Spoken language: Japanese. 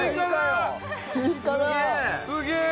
すげえ！